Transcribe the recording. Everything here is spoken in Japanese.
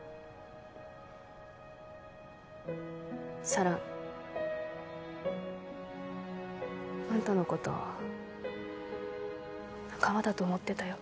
四朗。あんたの事仲間だと思ってたよ。